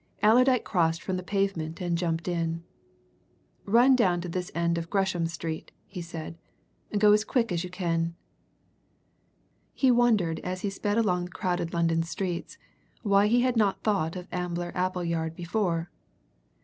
Allerdyke crossed from the pavement and jumped in. "Run down to this end of Gresham Street," he said. "Go quick as you can." He wondered as he sped along the crowded London streets why he had not thought of Ambler Appleyard before.